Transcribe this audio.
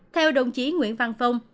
theo đồng chí nguyễn văn phong